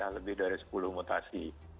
lebih dari sepuluh mutasi